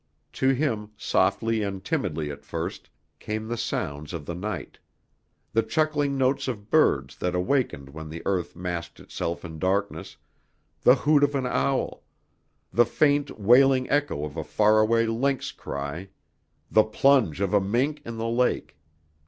To him, softly and timidly at first, came the sounds of the night: the chuckling notes of birds that awakened when the earth masked itself in darkness, the hoot of an owl, the faint wailing echo of a far away lynx cry, the plunge of a mink in the lake.